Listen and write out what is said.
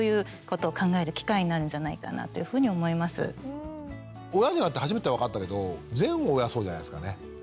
だからこそ親になって初めて分かったけど全親そうじゃないですかね。